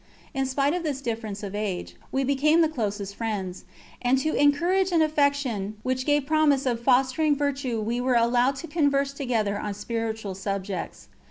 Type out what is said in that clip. In spite of this difference of age, we became the closest friends, and to encourage an affection which gave promise of fostering virtue we were allowed to converse together on spiritual subjects.